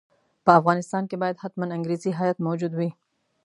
په افغانستان کې باید حتماً انګریزي هیات موجود وي.